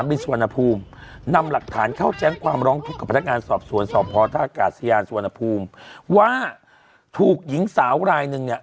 พวกกับพนักงานสอบสวนสอบพ่อทาสกาศิยัณสนภูมิว่าถูกหญิงสาวลายหนึ่งเนี่ย